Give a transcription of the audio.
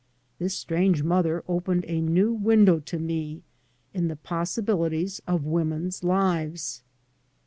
This strange mother opened a new window to me in the possibilities of women's lives.